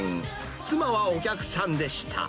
妻はお客さんでした。